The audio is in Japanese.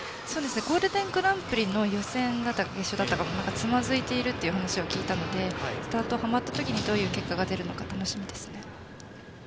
ゴールデングランプリの予選だったか決勝だったかでつまずいたという話を聞いたのでスタートがはまった時にどういう結果が出るのか楽しみです。